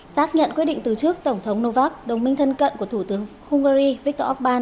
xác nhận quyết định từ trước tổng thống novak đồng minh thân cận của thủ tướng hungary viktor orbán